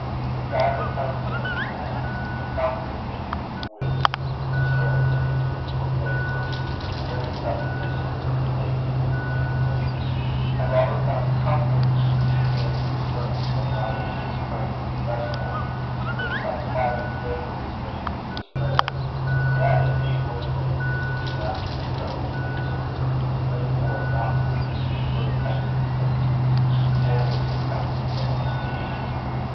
If God had come to him then and comforted him with the assurance of individual favour but the very supposition is a taking of his name in vain had Robert found comfort in the fancied assurance that God was his friend in especial, that some private favour was granted to his prayers, that, indeed, would have been to be left to his own inventions, to bring forth not fruits meet for repentance, but fruits for which repentance alone is meet.